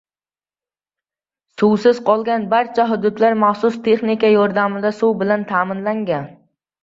Suvsiz qolgan barcha hududlar maxsus texnika yordamida suv bilan ta'minlangan.